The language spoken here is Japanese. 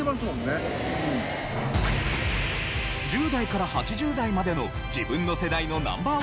１０代から８０代までの自分の世代のＮｏ．１